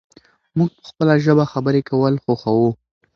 موږ په خپله ژبه خبرې کول خوښوو.